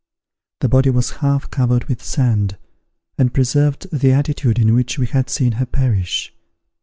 The body was half covered with sand, and preserved the attitude in which we had seen her perish.